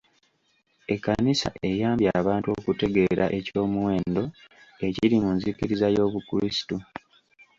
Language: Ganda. Ekkanisa eyambye abantu okutegeera eky'omuwendo ekiri mu nzikiriza y'obukrisitu.